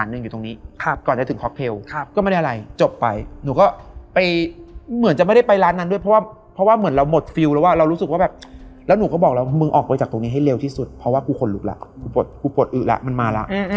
รีบทำภายในไม่เกิน๒วันถ้าเกิน๒วันอะ